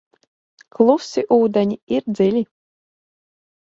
Klusi ūdeņi ir dziļi.